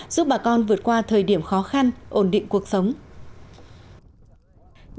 giúp bà con vượt qua thời điểm khó khăn ổn định cuộc sống